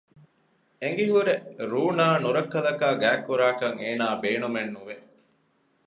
އެނގިހުރެ ރޫނާ ނުރައްކަލަކާ ގާތްކުރާކަށް އޭނާ ބޭނުމެއް ނުވެ